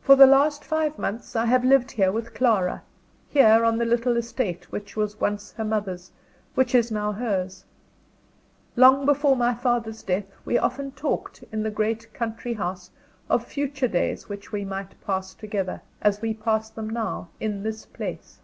For the last five months I have lived here with Clara here, on the little estate which was once her mother's, which is now hers. Long before my father's death we often talked, in the great country house, of future days which we might pass together, as we pass them now, in this place.